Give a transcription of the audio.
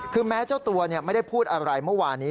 คือแม้เจ้าตัวไม่ได้พูดอะไรเมื่อวานี้